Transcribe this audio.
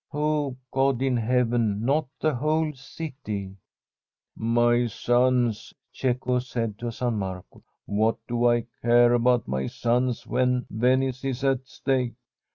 — oh, God in heaven, not the whole city f * My sons !' Cecco said to San Marco. * What do I care about my sons when Venice is at stake